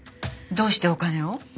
どうしてお金を？